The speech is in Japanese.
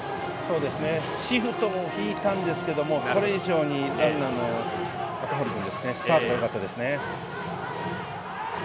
シフトを敷いたんですがそれ以上にランナーの赤堀君スタートがよかったです。